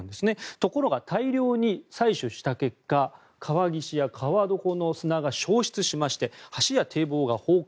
ところが大量に採取した結果川岸や川床の砂が消失しまして橋や堤防が崩壊。